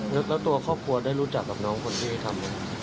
แล้วตัวครอบครัวได้รู้จักกับน้องคนที่ทำ